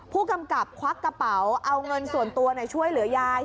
ผู้กำกับควักกระเป๋าเอาเงินส่วนตัวช่วยเหลือยาย